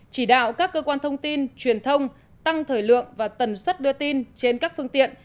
chỉ đạo các cơ quan thông tin truyền thông tăng thời lượng và tần suất đưa tin trên các phương tiện